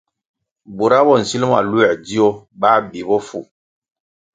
Bura bo sil ma luē dzio, bā bi bofu.